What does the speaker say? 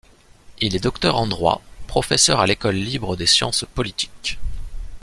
Il est docteur en droit, professeur à l'École libre des sciences politiques.